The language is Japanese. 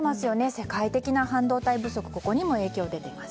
世界的な半導体不足がここにも影響出ています。